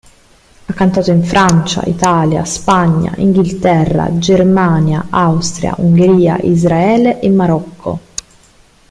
Ha cantato in Francia, Italia, Spagna, Inghilterra, Germania, Austria, Ungheria, Israele e Marocco.